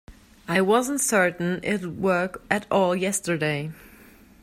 I wasn't certain it'd work at all yesterday.